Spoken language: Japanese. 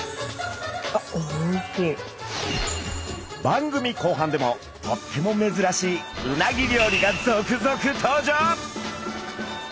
番組後半でもとってもめずらしいうなぎ料理が続々登場！